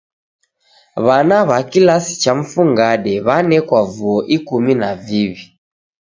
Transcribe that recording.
W'ana w'a kilasi cha mfungade w'anekwa vuo ikumi na viw'i.